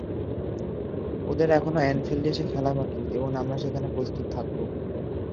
ওদের এখনো অ্যানফিল্ডে এসে খেলা বাকি এবং আমরা সেখানে প্রস্তুত থাকব।